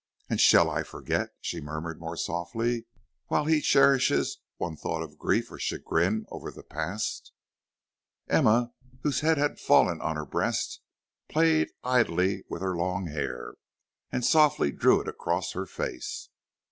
And shall I forget?" she murmured more softly, "while he cherishes one thought of grief or chagrin over the past?" Emma, whose head had fallen on her breast, played idly with her long hair, and softly drew it across her face.